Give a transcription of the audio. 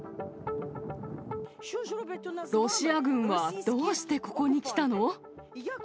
ロシア軍はどうしてここに来たの？